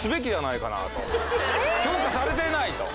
評価されていないと。